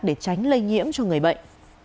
để tránh lây nhiễm cho người bệnh